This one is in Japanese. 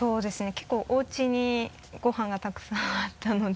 結構おうちにごはんがたくさんあったので。